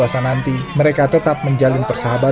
agar menghormati teman teman yang sedang berpuasa